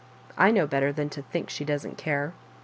I know better than to think she doesn't care.